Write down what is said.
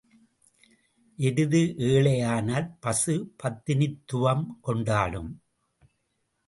எருது ஏழை ஆனால் பசு பத்தினித்துவம் கொண்டாடும்.